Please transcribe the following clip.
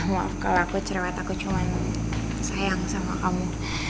maaf kalau aku cerwet aku cuman sayang sama kamu